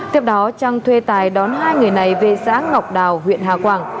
tiếp đó trang thuê tài đón hai người này về xã ngọc đào huyện hà quảng